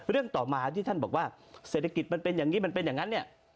เรื่องต่อมาที่ท่านบอกว่าเศรษฐกิจมันเป็นอย่างนี้มันเป็นอย่างนั้นเนี่ย